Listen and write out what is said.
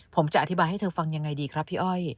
ผมจะอธิบายให้เธอฟังยังไงดีครับพี่อ้อย